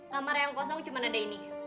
kamar yang kosong cuma ada ini